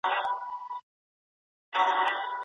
سیاستوال کله د سوله ییز لاریون اجازه ورکوي؟